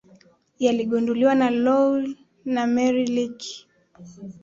Yaligunduliwa na Loui na Mary Leakey